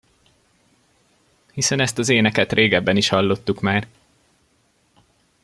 Hiszen ezt az éneket régebben is hallottuk már!